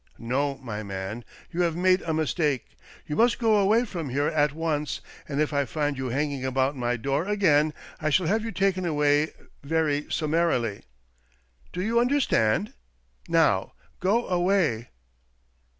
No, my man, you have made a mistake. You must go away from here at once, and if I find you hanging about my door again I shall have you taken away very sum marily. Do you understand? Now go away."